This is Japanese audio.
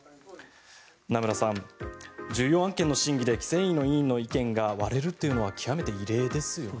名村さん、重要案件の審議で規制委の委員の意見が割れるのは極めて異例ですよね。